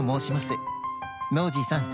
ノージーさん